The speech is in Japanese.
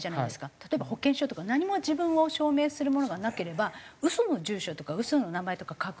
例えば保険証とか何も自分を証明するものがなければ嘘の住所とか嘘の名前とか書く。